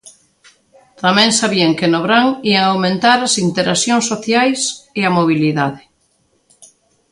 Tamén sabían que no verán ían aumentar as interaccións sociais e a mobilidade.